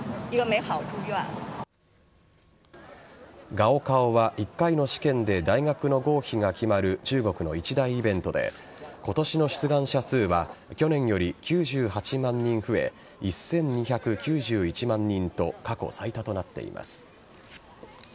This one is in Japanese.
高考は１回の試験で大学の合否が決まる中国の一大イベントで今年の出願者数は去年より９８万人増え１２９１万人と過去最多となっています。